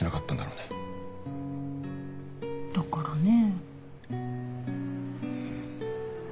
だからね。